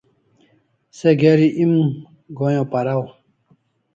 Se geri em goyon paraw